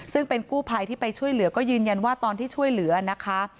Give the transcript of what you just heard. ซึ่งเป็นกู้ภัยที่ไปช่วยเหลือก็ยืนยันว่าตอนที่ช่วยเหลือนะคะ